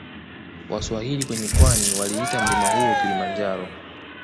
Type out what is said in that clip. Waswahili kwenye pwani waliita mlima huo Kilimanjaro